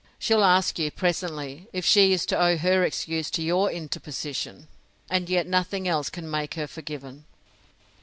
She'll ask you, presently, if she is to owe her excuse to your interposition? and yet nothing else can make her forgiven.